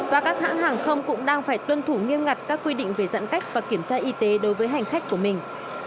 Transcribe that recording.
và các hãng hàng không cũng đang phải tuân thủ nghiêm ngặt các quy định về giãn cách và kiểm tra y tế đối với hành khách của mình